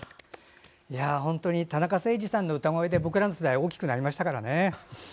本当に田中星児さんの歌声で僕らの世代は大きくなりましたからね。